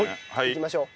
いきましょう。